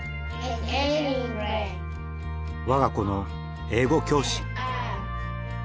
我が子の英語教師。